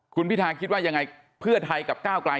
คุณพิธาคิดว่ายังไงเพื่อไทยกับก้าวกลาย